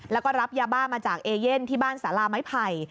แล้วก็รับยาบ้ามาจากเอเย่นที่บ้านสาราไม้ไผ่